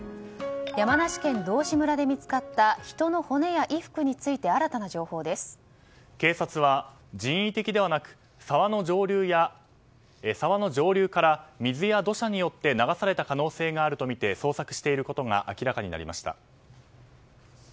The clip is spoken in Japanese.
山梨県道志村で見つかった人の骨や衣服について警察は、人為的ではなく沢の上流から水や土砂によって流された可能性があるとみて捜索していることが明らかになりました。